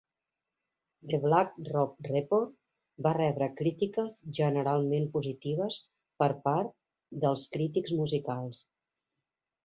"The Black Rob Report" va rebre crítiques generalment positives per part dels crítics musicals.